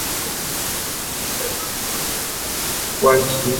出生于美国加州的莫德斯托。